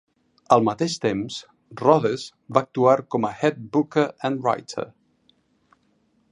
Al mateix temps, Rhodes va actuar com a "head booker and writer".